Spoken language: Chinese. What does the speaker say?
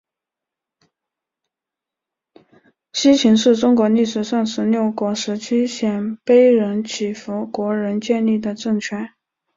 西秦是中国历史上十六国时期鲜卑人乞伏国仁建立的政权。